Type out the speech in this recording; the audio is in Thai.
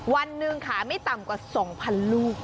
วันหนึ่งขายไม่ต่ำกว่า๒๐๐๐ลูก